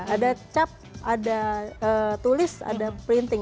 ada cap ada tulis ada printing